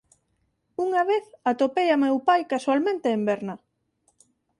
Unha vez atopei a meu pai casualmente en Berna.